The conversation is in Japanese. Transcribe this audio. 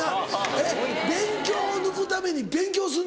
えっ勉強を抜くために勉強するの？